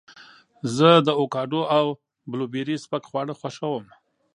زه د اوکاډو او بلوبېري سپک خواړه خوښوم.